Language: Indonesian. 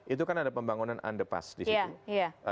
itu kan ada pembangunan underpass disitu